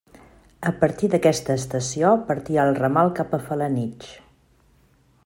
A partir d'aquesta estació partia el ramal cap a Felanitx.